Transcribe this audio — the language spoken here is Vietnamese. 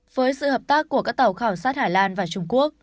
với sự hợp tác của các tàu khảo sát hà lan và trung quốc